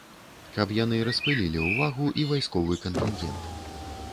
Каб яны распылілі ўвагу і вайсковы кантынгент.